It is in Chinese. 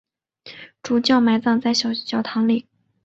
主教埋葬在小堂里。